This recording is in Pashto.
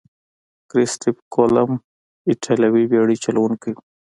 کرستف کولمب ایتالوي بیړۍ چلوونکی وو.